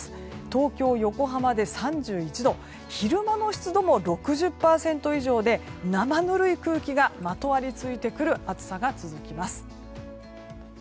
東京、横浜で３１度昼間の湿度も６０％以上で生ぬるい空気がまとわりついてくる暑さが続きます。